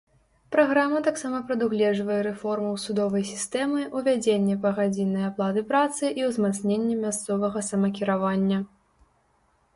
Праграма таксама прадугледжвае рэформаў судовай сістэмы, увядзенне пагадзіннай аплаты працы і ўзмацненне мясцовага самакіравання.